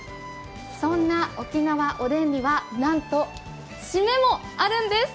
そんな沖縄おでんには、なんと締めもあるんです。